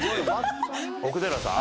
奥寺さん。